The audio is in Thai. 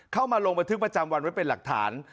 มาลงบันทึกประจำวันไว้เป็นหลักฐาน